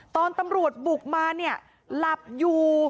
ตอนตำรวจบุกมาเนี่ยหลับอยู่